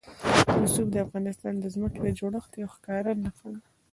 رسوب د افغانستان د ځمکې د جوړښت یوه ښکاره نښه ده.